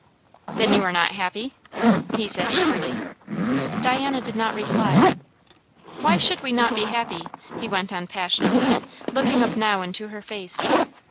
"Then you are not happy?" he said eagerly. Diana did not reply. "Why should we not be happy?" he went on passionately, looking up now into her face.